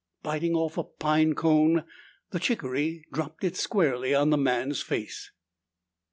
Biting off a pine cone, the chickaree dropped it squarely on the man's face.